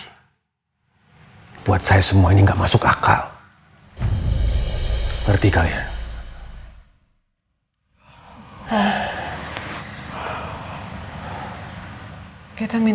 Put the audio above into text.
aku kalo lisa ini mungkin sudah kaya roses